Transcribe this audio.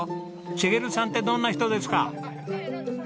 茂さんってどんな人ですか？